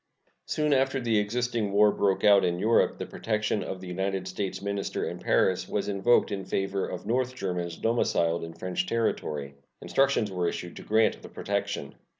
Soon after the existing war broke out in Europe the protection of the United States minister in Paris was invoked in favor of North Germans domiciled in French territory. Instructions were issued to grant the protection.